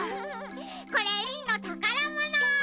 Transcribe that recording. これリンのたからもの！